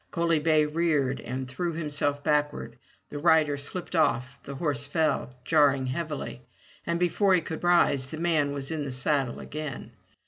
Coaly bay reared and threw himself backward; the rider slipped off, the horse fell, jarring heavily, and before he could rise the man was in the saddle again.